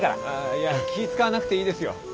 いや気ぃ使わなくていいですよ。